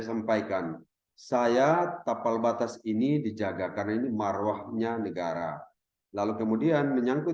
sampaikan saya tapal batas ini dijaga karena ini marwahnya negara lalu kemudian menyangkut